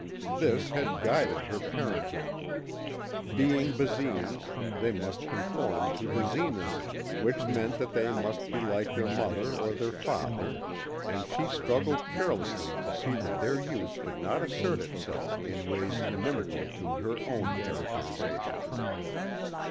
This had guided her parenthood. Being Basines, they must conform to Basinism which meant that they must be like their mother or their father and she struggled carelessly to see that their youth did not assert itself in ways inimical to her own characterization.